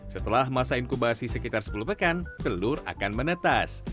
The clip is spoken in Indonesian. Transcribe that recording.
setelah masa inkubasi sekitar sepuluh pekan telur akan menetas